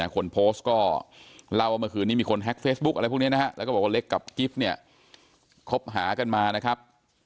คนโพสต์ก็เล่าว่าเมื่อคืนนี้มีคนแฮ็กเฟซบุ๊คอะไรพวกนี้นะฮะแล้วก็บอกว่าเล็กกับกิฟต์เนี่ยคบหากันมานะครับ